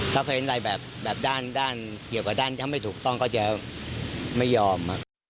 ถ้าเคยเห็นอะไรแบบด้านเกี่ยวกับด้านถ้าไม่ถูกต้องก็จะไม่ยอม